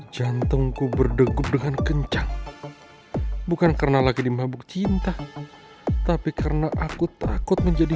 jantungku berdegup dengan kencang bukan karena lagi di mabuk cinta tapi karena aku takut menjadi